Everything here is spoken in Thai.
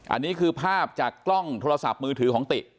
อันนี้คือภาพจากกล้องโทรศัพท์มือถือของติ